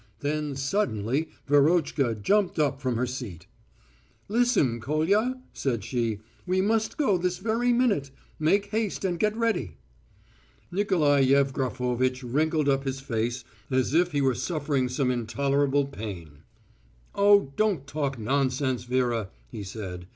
Then suddenly Verotchka jumped up from her seat. "Listen, Kolya," said she. "We must go this very minute. Make haste and get ready." Nikolai Yevgrafovitch wrinkled up his face as if he were suffering some intolerable pain. "Oh, don't talk nonsense, Vera," he said.